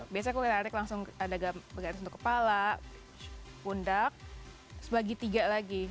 biasanya aku tarik langsung ada garis untuk kepala pundak terus bagi tiga lagi